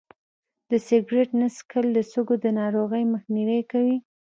د سګرټ نه څکول د سږو د ناروغۍ مخنیوی کوي.